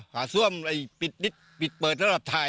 ฝาส้วมปิดปิดเปิดแล้วเราถ่าย